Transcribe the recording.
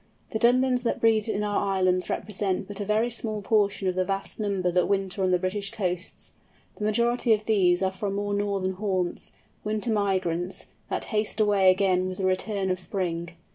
The Dunlins that breed in our islands represent but a very small portion of the vast number that winter on the British coasts. The majority of these are from more northern haunts, winter migrants, that haste away again with the return of spring.